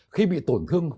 khi bị tổn thương